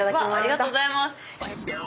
ありがとうございます。